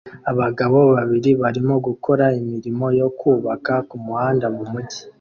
Abagabo babiri barimo gukora imirimo yo kubaka kumuhanda mumujyi